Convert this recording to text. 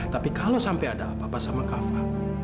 tapi kalau sampai ada apa apa sama kafa